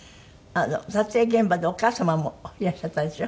撮影現場にお母様もいらっしゃったんでしょ。